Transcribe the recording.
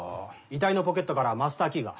遺体のポケットからマスターキーが。